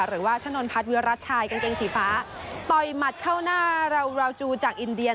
หรือว่าชะนนพัฒน์วิรัติชายกางเกงสีฟ้าต่อยหมัดเข้าหน้าราวราวจูจากอินเดีย